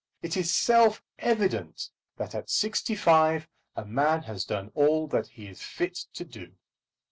It is self evident that at sixty five a man has done all that he is fit to do.